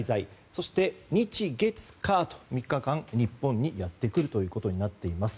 そして日、月、火と３日間、日本にやってくるということになっています。